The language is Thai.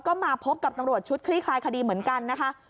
ก็มาพบกับตำรวจชุดคลี่คลายคดีเหมือนกันนะคะ